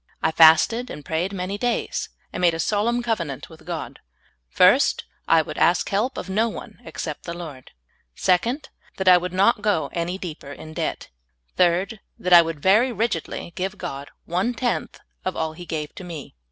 I fasted and prayed many days, and made a solemn cov enant with God : First, I would ask help of no one ex cept the Eord. Second, that I w^ould not go any deeper in debt. Third, that I would very rigidly give God one tenth of all He gave to me.